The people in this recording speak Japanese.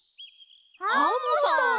アンモさん！